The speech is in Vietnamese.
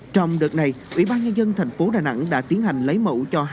trong đợt này ủy ban nhân dân thành phố đà nẵng đã tiến hành lấy mẫu cho